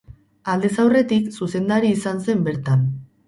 Aldez aurretik, zuzendari izan zen bertan.